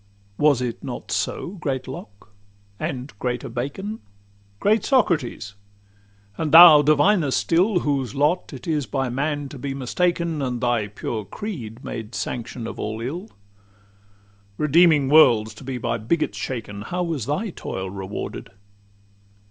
Was it not so, great Locke? and greater Bacon? Great Socrates? And thou, Diviner still, Whose lot it is by man to be mistaken, And thy pure creed made sanction of all ill? Redeeming worlds to be by bigots shaken, How was thy toil rewarded?